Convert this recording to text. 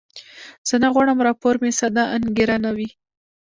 زه نه غواړم راپور مې ساده انګارانه وي.